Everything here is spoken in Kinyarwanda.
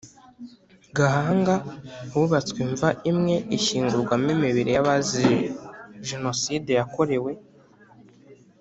Gahanga Hubatswe imva imwe ishyingurwamo imibiri y abazize Jenoside yakorewe